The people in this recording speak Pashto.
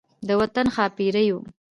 د وطن د ښا پیریو